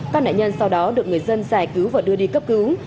các nạn nhân sau đó được người dân giải cứu và đưa đi cấp cứu